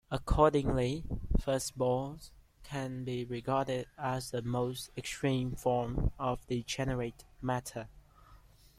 Accordingly, fuzzballs can be regarded as the most extreme form of degenerate matter.